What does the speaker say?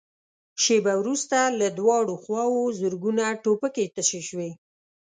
شېبه وروسته له دواړو خواوو زرګونه ټوپکې تشې شوې.